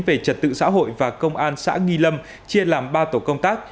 về trật tự xã hội và công an xã nghi lâm chia làm ba tổ công tác